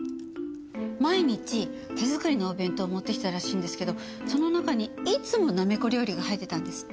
毎日手作りのお弁当持ってきてたらしいんですけどその中にいつもなめこ料理が入ってたんですって。